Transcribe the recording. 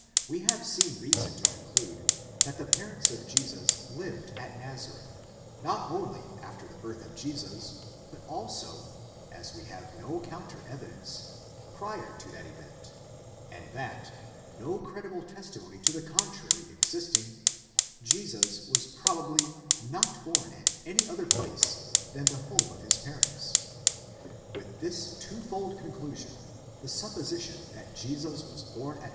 We have seen reason to conclude that the parents of Jesus lived at Nazareth, not only after the birth of Jesus, but also, as we have no counter evidence, prior to that event, and that, no credible testimony to the contrary existing, Jesus was probably not born at any other place than the home of his parents. With this twofold conclusion, the supposition that Jesus was born at.